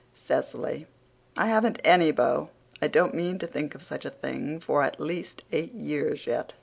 (CECILY: "I haven't ANY beau! I don't mean to think of such a thing for at least eight years yet!")